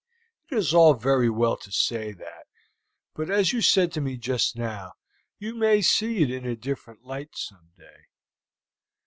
"It is all very well to say that, but as you said to me just now, you may see it in a different light some day."